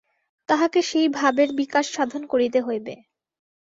তাহাকে সেই ভাবের বিকাশ-সাধন করিতে হইবে।